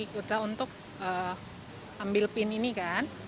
kita untuk ambil pin ini kan